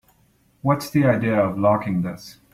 What's the idea of locking this?